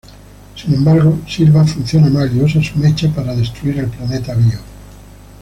Sin embargo, Silva funciona mal y usa su mecha para destruir el planeta Bio.